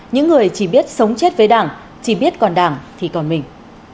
những người chỉ biết sống chết với đảng chỉ biết còn đảng thì còn mình